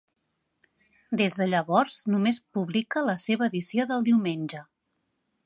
Des de llavors només publica la seva edició del diumenge.